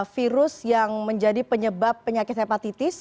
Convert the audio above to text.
virus yang menjadi penyebab penyakit hepatitis